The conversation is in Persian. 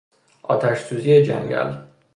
آتش سوزی جنگل